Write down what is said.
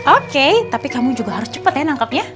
oke tapi kamu juga harus cepat ya nangkepnya